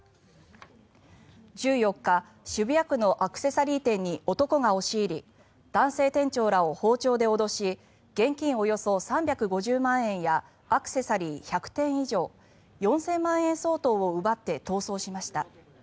１４日渋谷区のアクセサリー店に男が押し入り男性店長らを包丁で脅し現金およそ３５０万円やアクセサリー１００点以上４０００万円相当を奪って逃走しました。